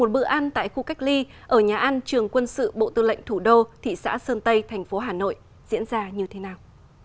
một bữa ăn tại khu cách ly ở nhà ăn trường quân sự bộ tư lệnh thủ đô thị xã sơn tây thành phố hà nội diễn ra như thế nào